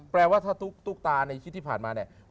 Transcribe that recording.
แปลว่าถ้าตุ๊กตาในคิดที่ผ่านมาเนี่ย